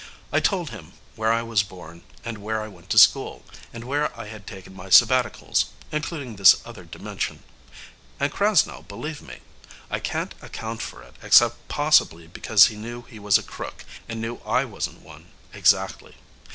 I told him where I was born, and where I went to school, and where I had taken my sabbaticals including this other dimension. And Krasnow believed me. I can't account for it, except possibly because he knew he was a crook and knew I wasn't one exactly.